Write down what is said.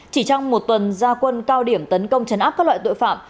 chỉ trong một tuần gia quân cao điểm tấn công chấn áp các loại tội phạm